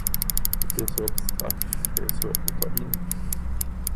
Det blir så abstrakt, det är svårt att ta in.